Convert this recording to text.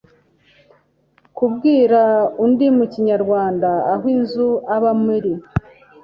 kubwira undi mu kinyarwanda aho inzu ubamo iri